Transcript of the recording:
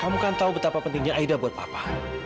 kamu kan tahu betapa pentingnya aida buat apa